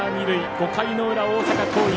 ５回の裏、大阪桐蔭。